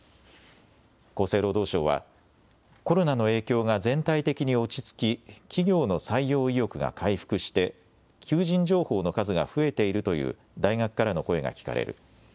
厚生労働省はコロナの影響が全体的に落ち着き、企業の採用意欲が回復して求人情報の数が増えているという大学からの声が聞かれる。